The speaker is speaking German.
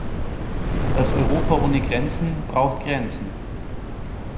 Das Europa ohne Grenzen braucht Grenzen.